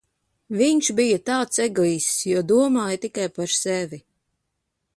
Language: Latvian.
Viņš bija tāds egoists, jo domāja tikai par sevi